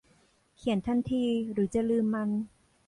เขียนทันทีหรือจะลืมมัน